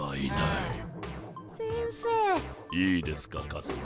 いいですかカズマ。